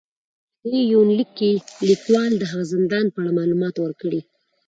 په دې يونليک کې ليکوال د هغه زندان په اړه معلومات ور کړي